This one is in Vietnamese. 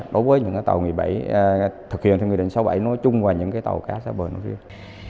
đối với những tàu thực hiện theo nguyên định sáu bảy nói chung và những tàu cá xa bờ nói riêng